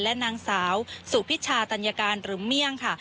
และนางสาวสุพิชาตัญการหรือเมี่ยงค่ะ